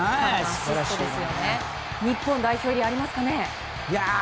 日本代表入りありますかね？